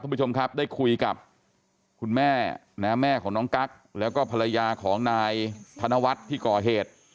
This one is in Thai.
ผู้ชมครับได้คุยกับคุณแม่นะแม่ของน้องกั๊กแล้วก็ภรรยาของนายธนวัฒน์ที่ก่อเหตุ